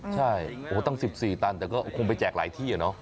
ใช่โอ้โหตั้ง๑๔ตันแต่ก็คงไปแจกหลายที่เนอะ